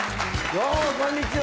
どうもこんにちは。